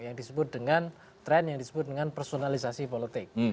yang disebut dengan tren yang disebut dengan personalisasi politik